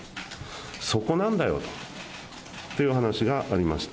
そこなんだよという話がありました。